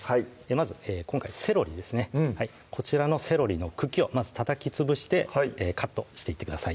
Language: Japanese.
まず今回セロリですねうんこちらのセロリの茎をまずたたきつぶしてカットしていってください